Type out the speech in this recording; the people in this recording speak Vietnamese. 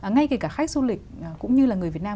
ngay kể cả khách du lịch cũng như là người việt nam